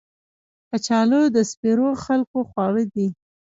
کچالو د سپېرو خلکو خواړه دي